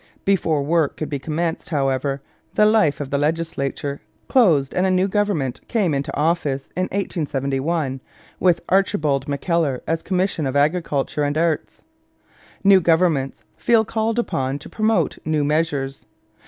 Before work could be commenced, however, the life of the legislature closed and a new government came into office in 1871 with Archibald McKellar as commissioner of Agriculture and Arts. New governments feel called upon to promote new measures.